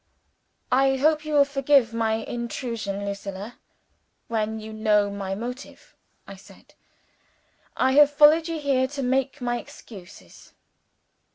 "I hope you will forgive my intrusion, Lucilla, when you know my motive," I said. "I have followed you here to make my excuses."